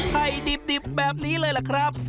ไข่ดิบแบบนี้เลยแหละครับ